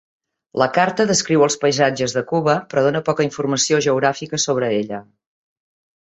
La carta descriu els paisatges de Cuba però dóna poca informació geogràfica sobre ella.